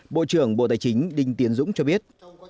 bộ trưởng bộ tài chính đinh tiến dũng cho biết